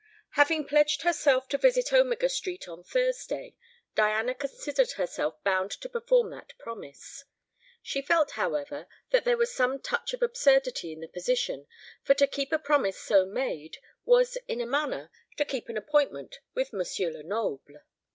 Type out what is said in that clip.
Having pledged herself to visit Omega Street on Thursday, Diana considered herself bound to perform that promise. She felt, however, that there was some touch of absurdity in the position, for to keep a promise so made was in a manner to keep an appointment with M. Lenoble.